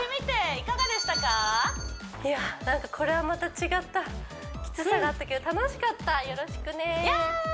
いやなんかこれはまた違ったキツさがあったけど楽しかったよろしくねや！